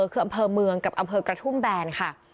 คืออำเภอเมืองกับอำเภอกระทุ่มแบนค่ะ